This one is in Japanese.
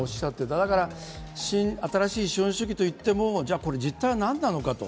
だから、新しい資本主義といっても実態は何なのかと。